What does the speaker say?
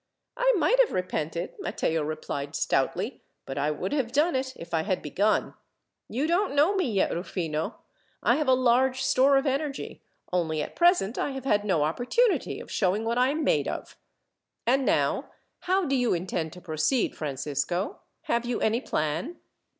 "I might have repented," Matteo replied stoutly, "but I would have done it, if I had begun. You don't know me yet, Rufino. I have a large store of energy, only at present I have had no opportunity of showing what I am made of. "And now, how do you intend to proceed, Francisco? Have you any plan?"